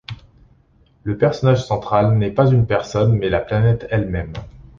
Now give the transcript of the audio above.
Le personnage central n’est pas une personne mais la planète elle-même.